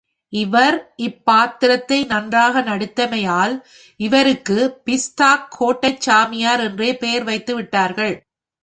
இவர் இப் பாத்திரத்தை நன்றாக நடித்தமையால் இவருக்கு பிஸ்தாக் கொட்டைச் சாமியார் என்றே பெயர் வைத்து விட்டார்கள்.